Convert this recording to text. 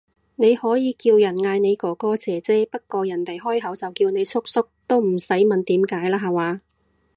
你可以叫人嗌你哥哥姐姐，不過人哋開口就叫你叔叔，都唔使問點解啦下話